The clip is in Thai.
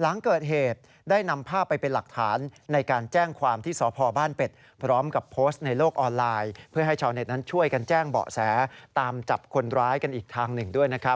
หลังเกิดเหตุได้นำภาพไปเป็นหลักฐานในการแจ้งความที่สพบ้านเป็ดพร้อมกับโพสต์ในโลกออนไลน์เพื่อให้ชาวเน็ตนั้นช่วยกันแจ้งเบาะแสตามจับคนร้ายกันอีกทางหนึ่งด้วยนะครับ